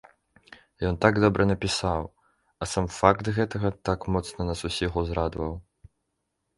Ён так добра напісаў, а сам факт гэтага так моцна нас усіх узрадаваў!